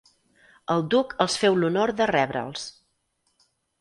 El duc els feu l'honor de rebre'ls.